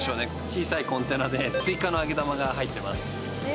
小さいコンテナで追加の揚げ玉が入ってます